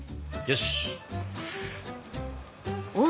よし。